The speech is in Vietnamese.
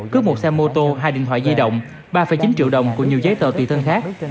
cướp một xe mô tô hai điện thoại di động ba chín triệu đồng cùng nhiều giấy tờ tùy thân khác